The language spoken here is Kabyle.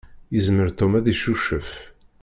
Yezmer Tom ad icucef.